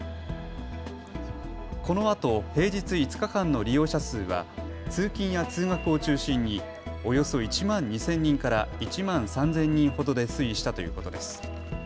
このあと平日５日間の利用者数は通勤や通学を中心におよそ１万２０００人から１万３０００人ほどで推移したということです。